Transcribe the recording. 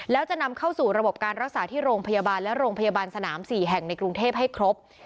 แล้วจะนำเข้าสู่ระบบการรักษาที่โรงพยาบาลและโรงพยาบาลสนาม๔แห่งในกรุงเทพให้ครบ